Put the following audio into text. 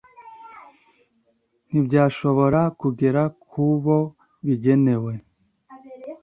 ntibyashobora kugera ku bo bigenewe